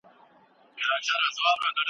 ساینس پوهنځۍ په زوره نه تحمیلیږي.